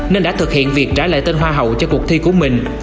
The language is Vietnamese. nên đã thực hiện việc trả lại tên hoa hậu cho cuộc thi của mình